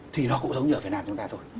thì nó cũng giống như ở việt nam chúng ta thôi